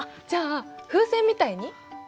じゃあ風船みたいに？